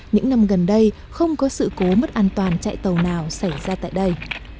những năm gần đây không có sự cố mất an toàn chạy tàu nào xảy ra tại đây